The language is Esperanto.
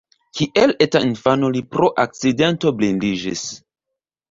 Kiel eta infano li pro akcidento blindiĝis.